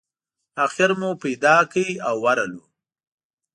آخر مو پیدا کړ او ورغلو.